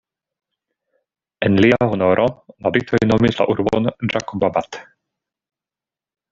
En lia honoro, la britoj nomis la urbon Ĝakobabad.